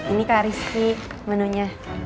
ini kak rizky menu nya